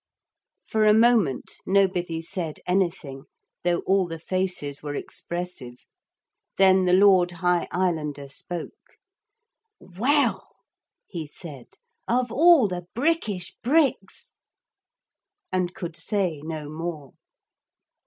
For a moment nobody said anything, though all the faces were expressive. Then the Lord High Islander spoke. 'Well,' he said, 'of all the brickish bricks ' and could say no more.